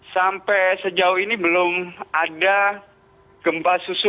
sampai sejauh ini belum ada gempa susu